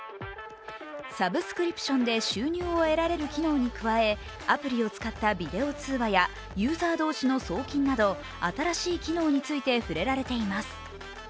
サブスクリプションで収入を得られる機能に加えアプリを使ったビデオ通話やユーザー同士の送金など新しい機能について触れられています。